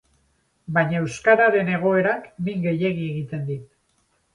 Baina euskararen egoerak min gehiegi egiten dit.